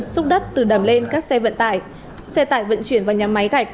xúc đất từ đầm lên các xe vận tải xe tải vận chuyển vào nhà máy gạch